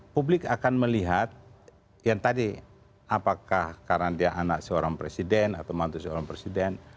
publik akan melihat yang tadi apakah karena dia anak seorang presiden atau mantu seorang presiden